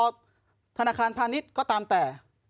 ธนาคารพาณิชย์ก็ตามแต่